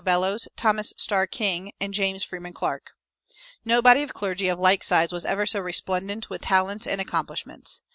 Bellows, Thomas Starr King, and James Freeman Clarke. No body of clergy of like size was ever so resplendent with talents and accomplishments.